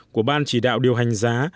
của ban chỉ đạo điều hành giá